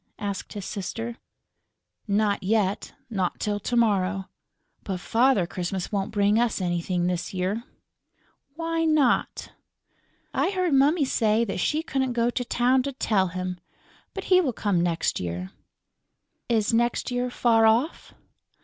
asked his sister. "Not yet; not till to morrow. But Father Christmas won't bring us anything this year." "Why not?" "I heard Mummy say that she couldn't go to town to tell him. But he will come next year." "Is next year far off?"